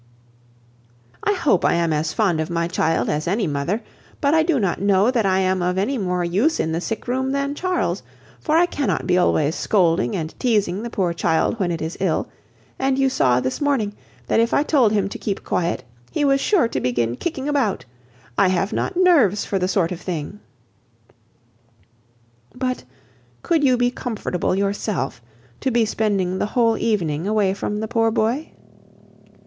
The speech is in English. "I hope I am as fond of my child as any mother, but I do not know that I am of any more use in the sick room than Charles, for I cannot be always scolding and teazing the poor child when it is ill; and you saw, this morning, that if I told him to keep quiet, he was sure to begin kicking about. I have not nerves for the sort of thing." "But, could you be comfortable yourself, to be spending the whole evening away from the poor boy?"